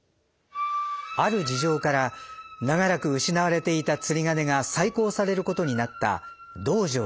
ある事情から長らく失われていた釣鐘が再興されることになった道成寺。